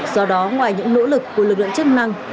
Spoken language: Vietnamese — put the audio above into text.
do đó ngoài những nỗ lực của lực lượng chức năng